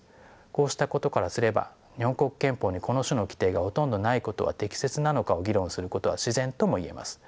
こうしたことからすれば日本国憲法にこの種の規定がほとんどないことは適切なのかを議論することは自然とも言えます。